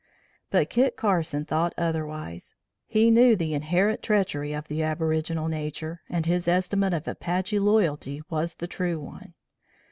But Kit Carson thought otherwise. He knew the inherent treachery of the aboriginal nature, and his estimate of Apache loyalty was the true one.